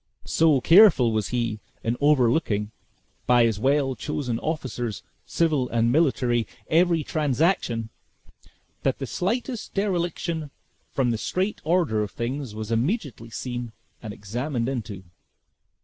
So careful was he, in overlooking, by his well chosen officers, civil and military, every transaction, that the slightest dereliction from the straight order of things was immediately seen and examined into.